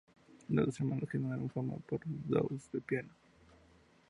Los dos hermanos ganaron fama por sus dúos de piano.